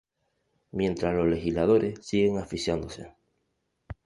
Mientras los legisladores siguen asfixiándose